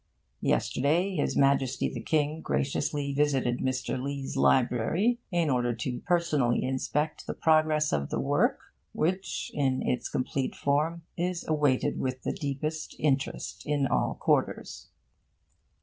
Yesterday His Majesty the King graciously visited Mr. Lee's library in order to personally inspect the progress of the work, which, in its complete form, is awaited with the deepest interest in all quarters.